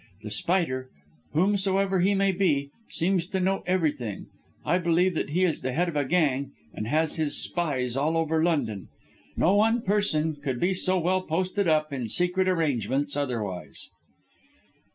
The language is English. The Spider, whomsoever he may be, seems to know everything. I believe that he is the head of a gang and has his spies all over London. No one person could be so well posted up in secret arrangements otherwise."